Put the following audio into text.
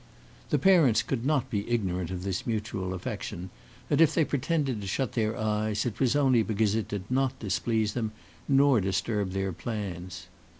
The parents could not be ignorant of this mutual affection; and if they pretended to shut their eyes, it was only because it did not displease them nor disturb their plans.